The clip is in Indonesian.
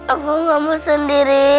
aku gak mau sendirian